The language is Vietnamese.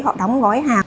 họ đóng gói hàng